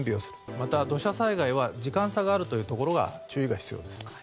また、土砂災害は時間差があるところに注意が必要です。